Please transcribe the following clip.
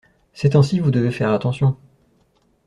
Ces temps-ci vous devez faire attention.